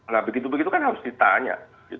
nah begitu begitu kan harus ditanya